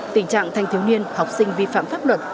tình trạng thanh thiếu niên học sinh vi phạm pháp luật